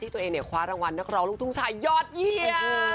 ตัวเองเนี่ยคว้ารางวัลนักร้องลูกทุ่งชายยอดเยี่ยม